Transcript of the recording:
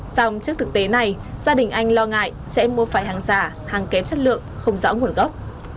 xong trước thực tế này gia đình anh lo ngại sẽ mua phải hàng giả hàng kém chất lượng không rõ nguồn gốc